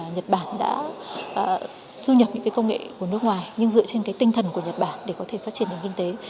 nhật bản đã du nhập những công nghệ của nước ngoài nhưng dựa trên tinh thần của nhật bản để có thể phát triển nền kinh tế